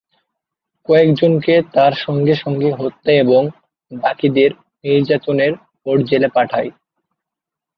কয়েকজনকে তারা সঙ্গে সঙ্গে হত্যা এবং বাকিদের নির্যাতনের পর জেলে পাঠায়।